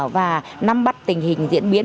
và nắm bắt tình hình diễn biến